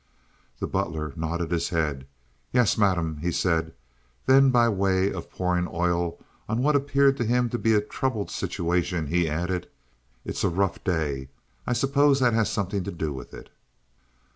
The butler nodded his head. "Yes, Madame," he said. Then, by way of pouring oil on what appeared to him to be a troubled situation, he added: "Eet's a rough day. I suppose zat has somepsing to do weeth it."